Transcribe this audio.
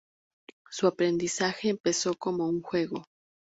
Su aprendizaje empezó como un juego.